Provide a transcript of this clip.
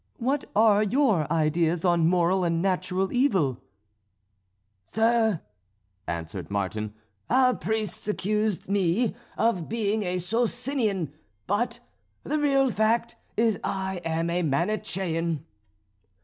what are your ideas on moral and natural evil?" "Sir," answered Martin, "our priests accused me of being a Socinian, but the real fact is I am a Manichean."